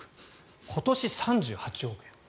今年３８億円。